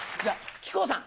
木久扇さん。